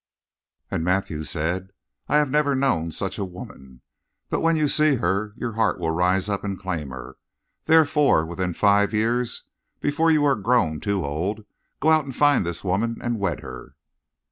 "And Matthew said: 'I have never known such a woman. But when you see her your heart will rise up and claim her. Therefore, within five years, before you are grown too old, go out and find this woman and wed her.'